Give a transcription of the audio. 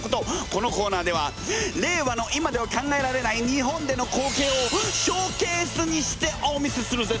このコーナーでは令和の今では考えられない日本での光景をショーケースにしてお見せするぜ！